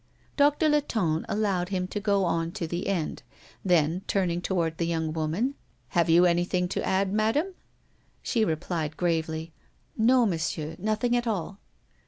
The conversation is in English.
Doctor Latonne allowed him to go on to the end; then, turning toward the young woman: "Have you anything to add, Madame?" She replied gravely: "No, Monsieur, nothing at all."